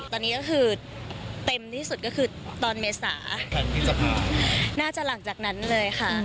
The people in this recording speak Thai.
ตอนนี้ก็คือเต็มที่สุดก็คือตอนเมษา๘พฤษภาน่าจะหลังจากนั้นเลยค่ะ